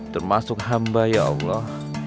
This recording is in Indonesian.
termasuk hamba ya allah